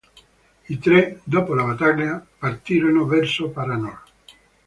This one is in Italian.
I tre, dopo la battaglia, partirono verso Paranor.